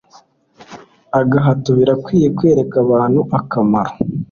agahato Birakwiriye kwereka abantu akamaro